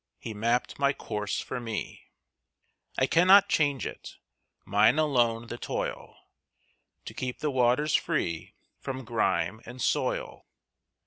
He mapped my course for me; I cannot change it; mine alone the toil To keep the waters free from grime and soil.